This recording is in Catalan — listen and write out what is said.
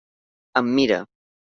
Em mira.